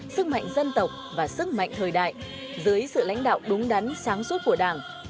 sức mạnh dân tộc và sức mạnh thời đại dưới sự lãnh đạo đúng đắn sáng suốt của đảng